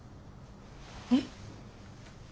えっ？